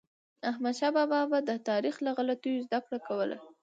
احمدشاه بابا به د تاریخ له غلطیو زدهکړه کوله.